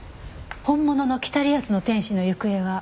本物の『北リアスの天使』の行方は？